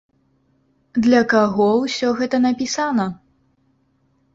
Для каго ўсё гэта напісана?